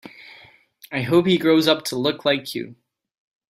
I hope he grows up to look like you.